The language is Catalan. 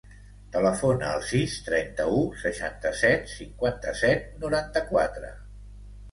Telefona al sis, trenta-u, seixanta-set, cinquanta-set, noranta-quatre.